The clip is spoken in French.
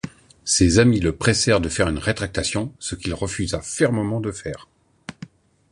Ses amis le pressèrent de faire une rétractation, ce qu’il refusa fermement de faire.